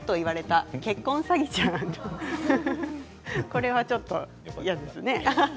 これはちょっと嫌ですね。